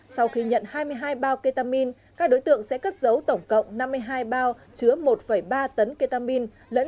sau khi nhận hai mươi hai bao ketamin các đối tượng sẽ cất giấu tổng cộng năm mươi hai bao chứa một ba tấn ketamin lẫn